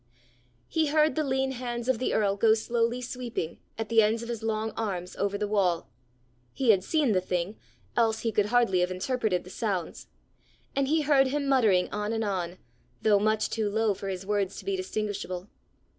He heard the lean hands of the earl go slowly sweeping, at the ends of his long arms, over the wall: he had seen the thing, else he could hardly have interpreted the sounds; and he heard him muttering on and on, though much too low for his words to be distinguishable.